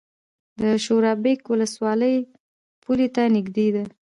د شورابک ولسوالۍ پولې ته نږدې ده